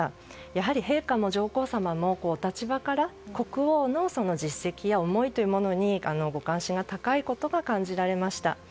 やはり陛下も上皇さまもお立場から国王の実績や思いというものにご関心が高いことが感じられました。